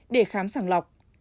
để khám sẵn lọc